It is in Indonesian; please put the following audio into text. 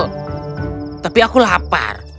tetapi aku lapar